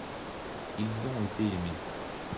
Ils ont été aimés.